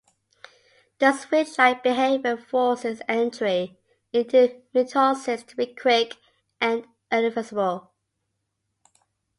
The switch-like behavior forces entry into mitosis to be quick and irreversible.